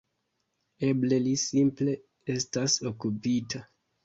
Eble li simple estas okupita.